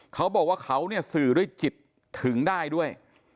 เขาบอกว่าเขาเนี่ยสื่อด้วยจิตถึงได้ด้วย